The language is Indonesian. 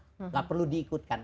tidak perlu diikutkan